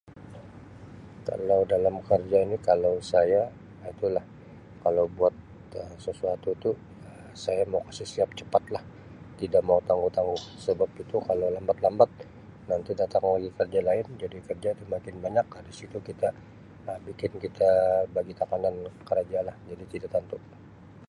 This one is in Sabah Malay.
Kalau dalam kerja ni kalau saya Um tulah kalau buat Um sesuatu tu Um saya mau kasi siap cepatlah tida mau tangguh-tangguh sabab itu kalau lambat nanti datang lagi kerja lain, jadi kerja tu makin banyak Um di situ kita Um bikin kita bagi tekanan karaja lah.